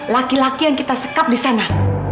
laki laki yang kita sekap disana